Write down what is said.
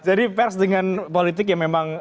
jadi pers dengan politik yang memang